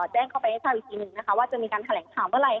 แจ้งเข้าไปให้ทราบอีกทีหนึ่งนะคะว่าจะมีการแถลงข่าวเมื่อไหร